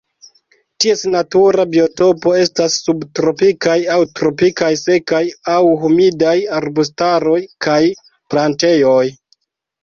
Ties natura biotopo estas subtropikaj aŭ tropikaj sekaj aŭ humidaj arbustaroj kaj plantejoj.